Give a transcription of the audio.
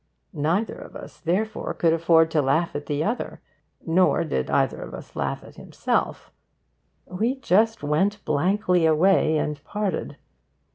Neither of us, therefore, could afford to laugh at the other; nor did either of us laugh at himself; we just went blankly away, and parted.